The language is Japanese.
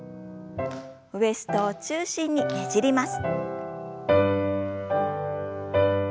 ウエストを中心にねじります。